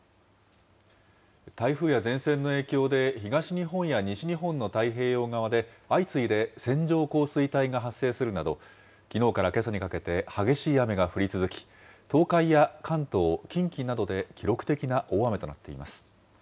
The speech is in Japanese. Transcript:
台風や前線の影響で、東日本や西日本の太平洋側で相次いで、線状降水帯が発生するなど、きのうからけさにかけて、激しい雨が降り続き、東海や関東、近畿などで記録的な大雨となっています。